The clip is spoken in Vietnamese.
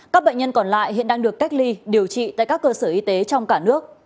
các bệnh nhân còn lại hiện đang được cách ly điều trị tại các cơ sở y tế trong cả nước